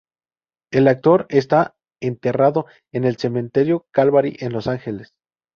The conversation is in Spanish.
El actor está enterrado en el cementerio Calvary en Los Ángeles.